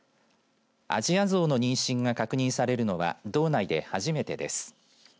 アジアゾウの妊娠が確認されるのは道内で初めてです。